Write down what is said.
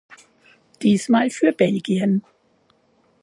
Diesmal für Belgien.